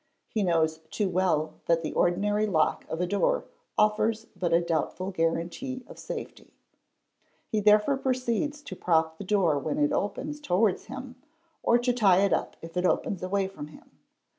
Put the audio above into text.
He knows too well that the ordinary lock of a door offers but a doubtful guarantee of safety. He therefore proceeds to prop up the door when it opens towards him or to tie it up if it opens away from I im.